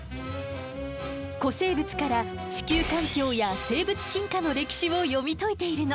古生物から地球環境や生物進化の歴史を読み解いているの。